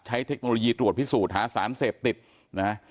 เทคโนโลยีตรวจพิสูจน์หาสารเสพติดนะฮะ